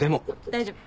大丈夫。